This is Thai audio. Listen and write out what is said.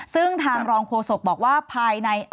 ซึ่งทางรองโฆษกบอกว่าภายใน